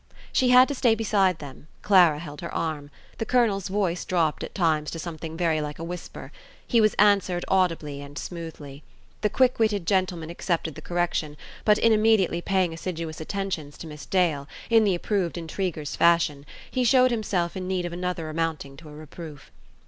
She had to stay beside them: Clara held her arm. The colonel's voice dropped at times to something very like a whisper. He was answered audibly and smoothly. The quickwitted gentleman accepted the correction: but in immediately paying assiduous attentions to Miss Dale, in the approved intriguer's fashion, he showed himself in need of another amounting to a reproof.